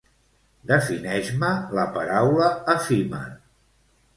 Defineix-me la paraula efímer.